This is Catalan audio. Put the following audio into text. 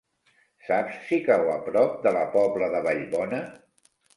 Saps si cau a prop de la Pobla de Vallbona?